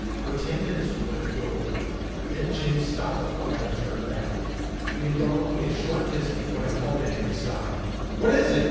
For ten minutes we went forward. Then Jim stopped the flyer and turned back. We had gone only a short distance when I called to him to stop. "What is it?"